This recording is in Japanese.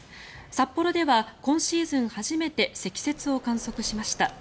札幌では今シーズン初めて積雪を観測しました。